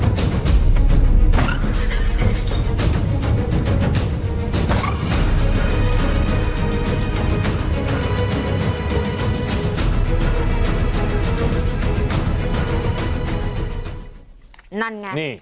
นั่นงั้น